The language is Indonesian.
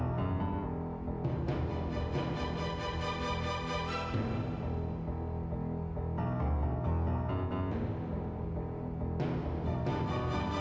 kamu ingat dua puluh tahun yang lalu